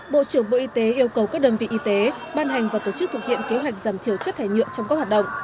bộ trưởng bộ y tế yêu cầu các đơn vị y tế ban hành và tổ chức thực hiện kế hoạch giảm thiểu chất thải nhựa trong các hoạt động